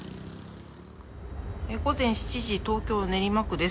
午前７時東京・練馬区です。